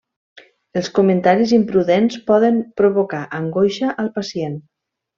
Els comentaris imprudents poden provocar angoixa al pacient.